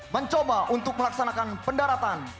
mencoba untuk melaksanakan pendaratan